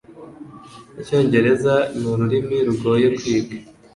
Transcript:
Icyongereza ni ururimi rugoye kwiga.